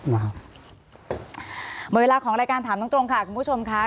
หมดเวลาของรายการถามตรงค่ะคุณผู้ชมค่ะ